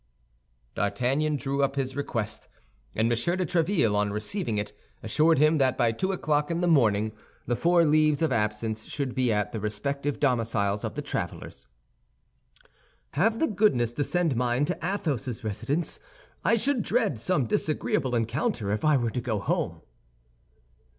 D'Artagnan drew up his request, and M. de Tréville, on receiving it, assured him that by two o'clock in the morning the four leaves of absence should be at the respective domiciles of the travelers. "Have the goodness to send mine to Athos's residence. I should dread some disagreeable encounter if I were to go home."